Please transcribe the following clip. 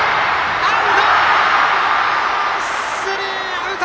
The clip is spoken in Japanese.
アウト！